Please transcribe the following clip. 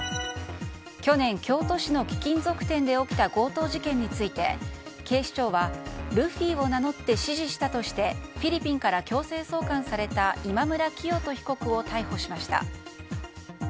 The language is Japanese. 去年、京都市の貴金属店で起きた強盗事件について警視庁は、ルフィを名乗って指示したとしてフィリピンから強制送還された今村磨人被告を逮捕しました。